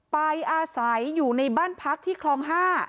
ไปอาศัยอยู่ในบ้านพักที่คลอง๕